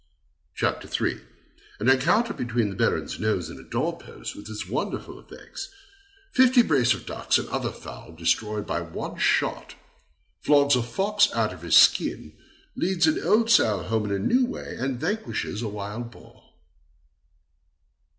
CHAPTER III _An encounter between the Baron's nose and a door post, with its wonderful effects Fifty brace of ducks and other fowl destroyed by one shot Flogs a fox out of his skin Leads an old sow home in a new way, and vanquishes a wild boar.